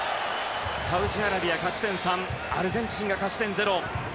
サウジアラビア、勝ち点３アルゼンチンが勝ち点０。